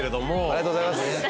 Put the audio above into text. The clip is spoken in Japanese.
ありがとうございます。